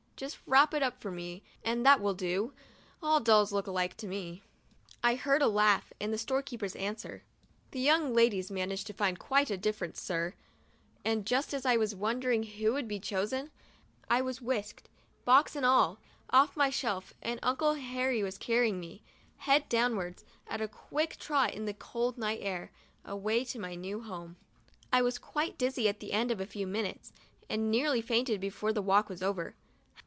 Just wrap it up for me and that will do. All dolls look alike to me." I heard a laugh, and the storekeeper's answer: "The young ladies manage to find quite a difference, sir !" and just as I was wondering who would be chosen, I was whisked, box and all, off my shelf and Uncle Harry was carrying me, head downwards, at a quick trot, in the cold night air, away to my new home. I was quite dizzy at the end of a few minutes, and nearly fainted before the walk was over.